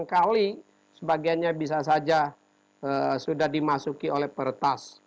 delapan kali sebagiannya bisa saja sudah dimasuki oleh peretas